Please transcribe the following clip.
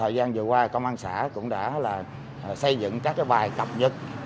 thời gian vừa qua công an xã cũng đã xây dựng các bài cập nhật